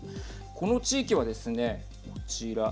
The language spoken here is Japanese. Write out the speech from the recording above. この地域はですね、こちら。